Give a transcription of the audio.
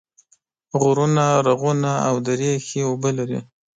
غرونه، رغونه او درې ښې اوبه لري